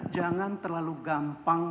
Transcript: jangan terlalu gampang